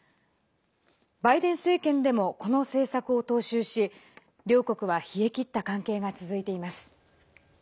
バイデン政権でもこの政策を踏襲し両国は冷えきった関係が続いています。